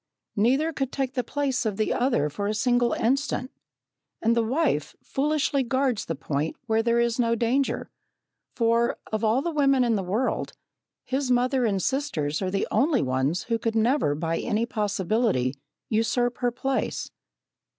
Neither could take the place of the other for a single instant, and the wife foolishly guards the point where there is no danger, for, of all the women in the world, his mother and sisters are the only ones who could never by any possibility usurp her place.